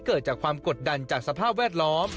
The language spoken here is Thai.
เกิดจากความกดดันจากสภาพแวดล้อม